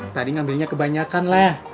tadi ngambilnya kebanyakan leh